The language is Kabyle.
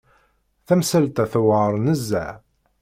Tamsalt-a tewεer nezzeh.